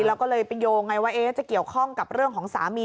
แล้วก็เลยไปโยงไงว่าจะเกี่ยวข้องกับเรื่องของสามี